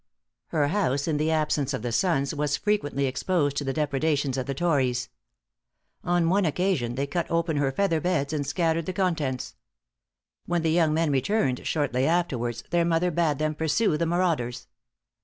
Her house in the absence of the sons was frequently exposed to the depredations of the tories. On one occasion they cut open her feather beds, and scattered the contents. When the young men returned shortly afterwards, their mother bade them pursue the marauders.